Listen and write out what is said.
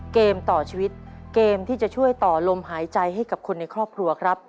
เกมต่อชีวิตเกมที่จะช่วยต่อลมหายใจให้กับคนในครอบครัวครับ